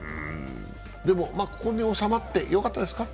でも、ここに収まってよかったですか。